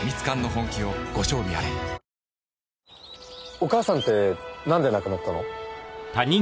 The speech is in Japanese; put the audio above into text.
お母さんってなんで亡くなったの？